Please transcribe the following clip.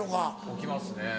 置きますね